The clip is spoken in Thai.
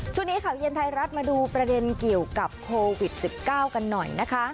ช่วงนี้ข่าวเย็นไทยรัฐมาดูประเด็นเกี่ยวกับโควิด๑๙กันหน่อยนะคะ